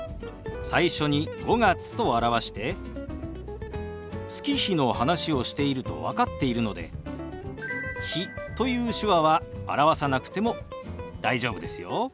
最初に「５月」と表して月日の話をしていると分かっているので「日」という手話は表さなくても大丈夫ですよ。